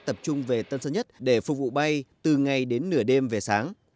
tập trung về tân sơn nhất để phục vụ bay từ ngay đến nửa đêm về sáng